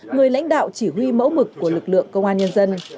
người lãnh đạo chỉ huy mẫu mực của lực lượng công an nhân dân